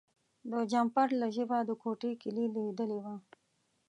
د جمپر له جیبه د کوټې کیلي لویدلې وه.